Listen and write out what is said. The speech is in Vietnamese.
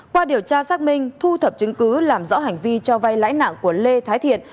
qua điều tra xác minh thu thập chứng cứ làm rõ hành vi cho vay lãi nặng của lê thái thiện